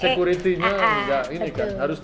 security nya harus di cek security nya